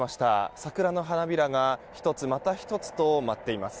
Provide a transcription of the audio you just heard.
桜の花びらが１つ、また１つと舞っています。